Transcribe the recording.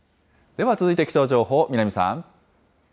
では、続いて気象情報、南さん。